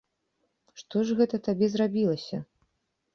Што ж гэта табе зрабілася?